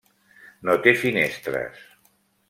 No té finestres.